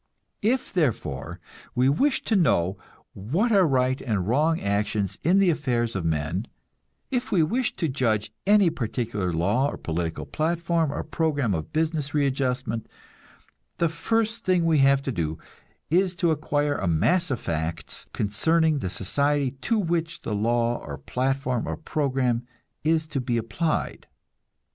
If, therefore, we wish to know what are right and wrong actions in the affairs of men, if we wish to judge any particular law or political platform or program of business readjustment, the first thing we have to do is to acquire a mass of facts concerning the society to which the law or platform or program, is to be applied.